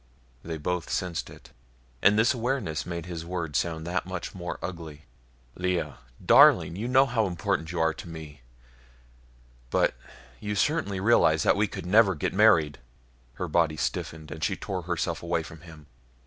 They both sensed it, and this awareness made his words sound that much more ugly. "Lea darling! You know how important you are to me but you certainly realize that we could never get married." Her body stiffened and she tore herself away from him.